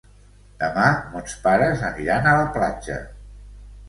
Demà mons pares aniran a la platja.